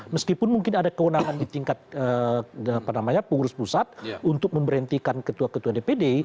meskipun mungkin ada kewenangan di tingkat pengurus pusat untuk memberhentikan ketua ketua dpd